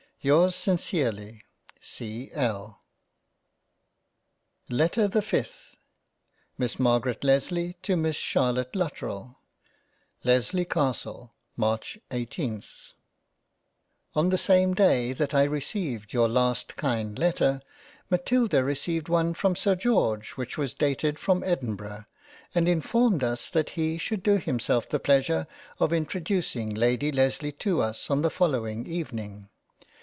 Yours sincerely C. L. LETTER the FIFTH Miss MARGARET LESLEY to Miss CHARLOTTE LUTTERELL Lesley Castle March 18th ON the same day that I received your last kind letter, Matilda received one from Sir George which was dated from Edinburgh, and informed us that he should do himself the pleasure of introducing Lady Lesley to us on the following evening.